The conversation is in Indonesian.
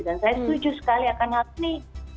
dan saya setuju sekali akan hal ini